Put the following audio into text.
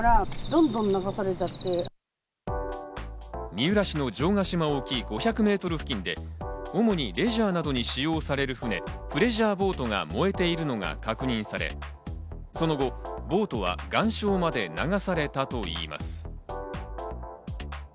三浦市の城ヶ島沖５００メートル付近で主にレジャーなどに使用される船・プレジャーボートが燃えているのが確認され、その後、ボートは岩礁まで流されたといいます。